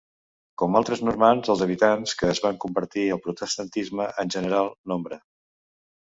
Com altres normands els habitants que es va convertir al protestantisme en general nombre.